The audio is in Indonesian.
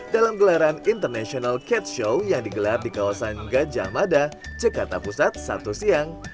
dalam gelaran international cat show yang digelar di kawasan gajah mada cekata pusat satu siang